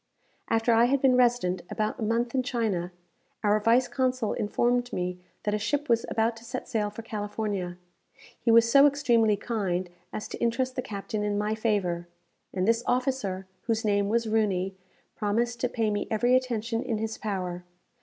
After I had been resident about a month in China, our vice consul informed me that a ship was about to sail for California. He was so extremely kind as to interest the captain in my favour, and this officer, whose name was Rooney, promised to pay me every attention in his power.